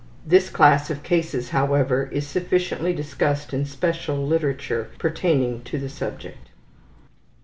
This class of cases, however, is sufficiently discussed in special literature pertaining to the subject.